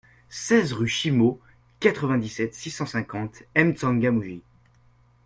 seize rue Chimo, quatre-vingt-dix-sept, six cent cinquante, M'Tsangamouji